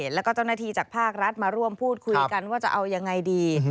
แล้วก็เจ้าหน้าที่จากภาครัฐมาร่วมพูดคุยกันว่าจะเอายังไงดี